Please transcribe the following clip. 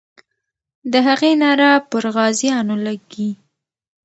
د هغې ناره پر غازیانو لګي.